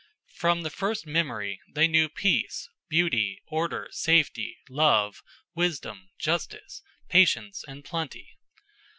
From the first memory, they knew Peace, Beauty, Order, Safety, Love, Wisdom, Justice, Patience, and Plenty.